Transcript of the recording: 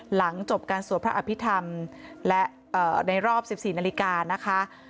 หลังจบการสวดพระอภิษฐรรมและในรอบ๑๔นาฬิกานะคะ